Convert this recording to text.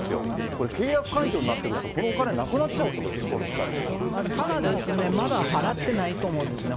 これ、契約解除になってくると、このお金、なくなっちゃうというただですね、まだ払ってないと思うんですね。